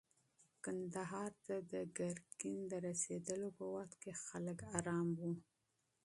کندهار ته د ګرګین د رسېدلو په وخت کې خلک ارام وو.